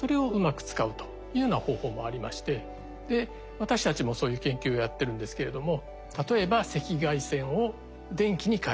私たちもそういう研究をやってるんですけれども。